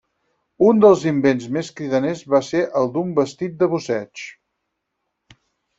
Un dels invents més cridaners va ser el d'un vestit de busseig.